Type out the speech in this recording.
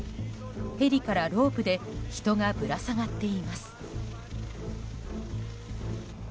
ヘリからロープで人がぶら下がっています。